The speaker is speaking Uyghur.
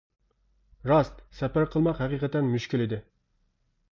راست، سەپەر قىلماق ھەقىقەتەن مۈشكۈل ئىدى.